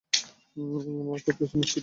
তোমার কোন অস্তিত্বই থাকবে না।